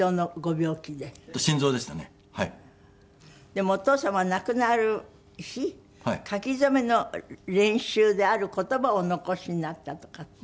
でもお父様は亡くなる日書き初めの練習である言葉をお残しになったとかって。